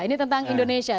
ini tentang indonesia